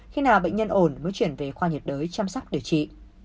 khi nào bệnh nhân ổn mới chuyển về khoa nhiệt đới chăm sóc điều trị